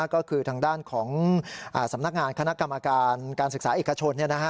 ก็คือทางด้านของสำนักงานคณะกรรมการการศึกษาเอกชน